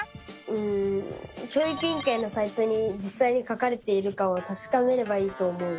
うん教育委員会のサイトにじっさいに書かれているかをたしかめればいいと思う！